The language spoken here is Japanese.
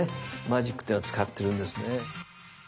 マジックっていうのは使ってるんですね。